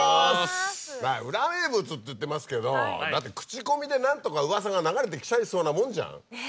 裏名物っていってますけど口コミで何とかうわさが流れてきちゃいそうなもんじゃん。